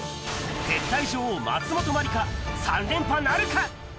絶対女王、松本まりか、３連覇なるか？